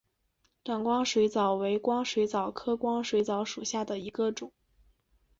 短光水蚤为光水蚤科光水蚤属下的一个种。